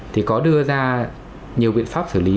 thì có đưa ra nhiều biện pháp xử lý